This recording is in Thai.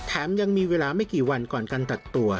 ยังมีเวลาไม่กี่วันก่อนการตัดตัว